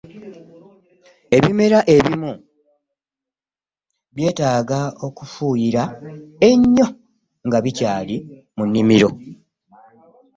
Ebimera ebimu byetaaga okufuyira enyo nga bikyali mu nimiro.